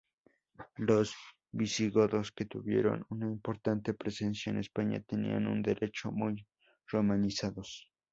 Los visigodos, que tuvieron una importante presencia en España, tenían un derecho muy romanizados.